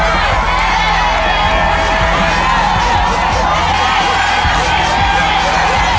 ไปเย็นเลยสมาธิดีครับ